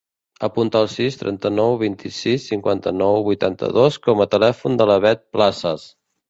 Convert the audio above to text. Apunta el sis, trenta-nou, vint-i-sis, cinquanta-nou, vuitanta-dos com a telèfon de la Beth Plazas.